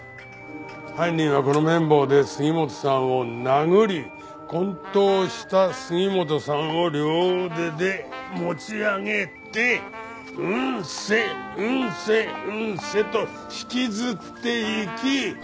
犯人はこの麺棒で杉本さんを殴り昏倒した杉本さんを両腕で持ち上げてうんせうんせうんせと引きずっていき。